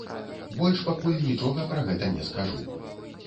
Больш пакуль нічога пра гэта не скажу.